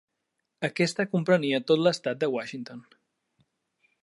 Aquesta comprenia tot l'estat de Washington.